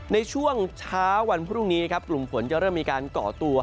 ในช่วงเช้าวันพรุ่งนี้นะครับกลุ่มฝนจะเริ่มมีการก่อตัว